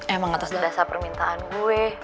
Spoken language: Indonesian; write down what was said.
emang atas dasar permintaan gue